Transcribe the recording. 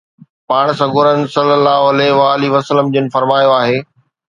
پاڻ سڳورن صلي الله عليھ و آلھ وسلم جن فرمايو آهي